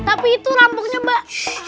tapi itu rampoknya mbak